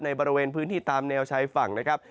บริเวณพื้นที่ตามแนวชายฝั่งนะครับ